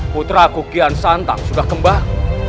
putraku kian santang sudah kembali